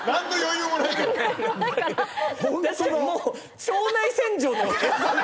もう腸内洗浄の絵。